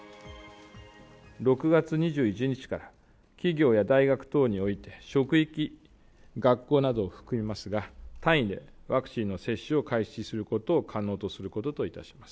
６月２１日から企業や大学等において、職域、学校などを含みますが、単位でワクチンの接種を開始することを可能とすることといたします。